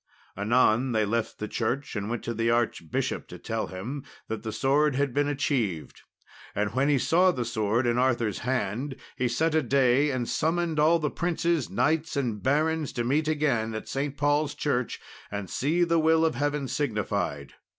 Anon, they left the church and went to the archbishop to tell him that the sword had been achieved. And when he saw the sword in Arthur's hand he set a day and summoned all the princes, knights, and barons to meet again at St. Paul's Church and see the will of Heaven signified.